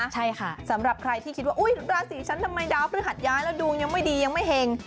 ใช่ค่ะสำหรับใครที่คิดว่าอุ๊ยราศีฉันทำไมดาวพฤหัสย้ายแล้วดวงยังไม่ดียังไม่เห็ง